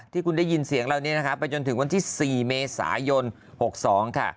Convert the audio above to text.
ที่คุณได้ยินเสียงเรานี้นะคะไปจนถึงวันที่๔เมษายน๖๒ค่ะ